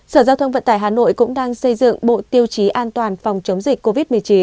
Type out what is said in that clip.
sở giao thông vận tải hà nội cũng đang xây dựng bộ tiêu chí an toàn phòng chống dịch covid một mươi chín